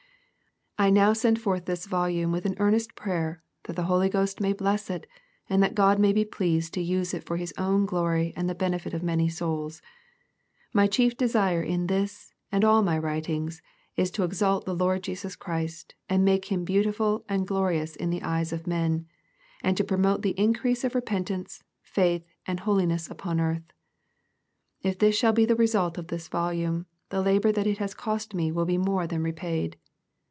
I now send forth this volume with an earnest prayer, that the Holy Ghost may bless it, and that God may be pleased to use it for His own glory and the benefit of many souls. My chief desire in this, and all my writings, is to exalt the Lord Jesus Christ and make Him beau tiful and glorious in the eyes of men, and to promote the increase of repentance, faith, and holiness upon earth. If this shall be the result of this volume, the labor that it has cost me wiU be more than repaid.